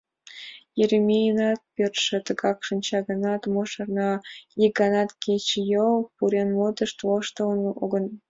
Еремейынат пӧртшӧ тыгак шинча гынат, мо шарна, ик ганат кечыйол пурен модын воштылын огыл!..